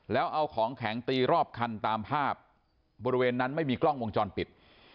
แล้วเอาของแข็งตีรอบคันตามภาพบริเวณนั้นไม่มีกล้องวงจรปิด